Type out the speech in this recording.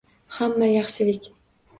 Hamma yaxshilik